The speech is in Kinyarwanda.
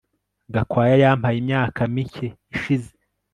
Gakwaya yampaye imyaka mike ishize